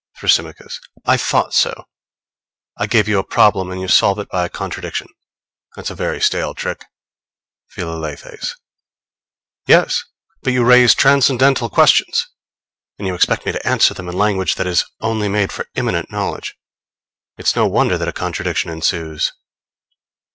Thrasymachos. I thought so! I gave you a problem, and you solve it by a contradiction. That's a very stale trick. Philalethes. Yes, but you raise transcendental questions, and you expect me to answer them in language that is only made for immanent knowledge. It's no wonder that a contradiction ensues.